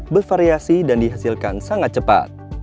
bervariasi dan dihasilkan sangat cepat